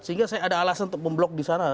sehingga saya ada alasan untuk memblok di sana